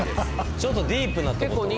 ちょっとディープな所ですか？